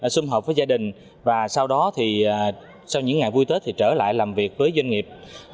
xung hợp với gia đình và sau đó thì sau những ngày vui tết thì trở lại làm việc với doanh nghiệp